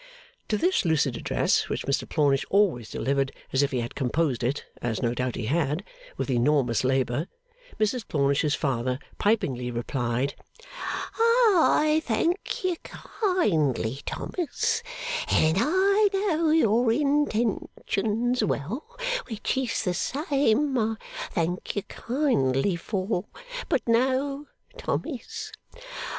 To this lucid address, which Mr Plornish always delivered as if he had composed it (as no doubt he had) with enormous labour, Mrs Plornish's father pipingly replied: 'I thank you kindly, Thomas, and I know your intentions well, which is the same I thank you kindly for. But no, Thomas.